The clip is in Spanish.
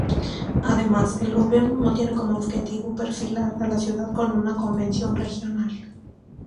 Además, el gobierno tiene como objetivo perfilar a la ciudad con una convención regional.